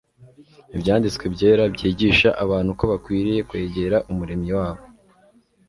ibyanditse byera byigisha abantu uko bakwiriye kwegera umuremyi wabo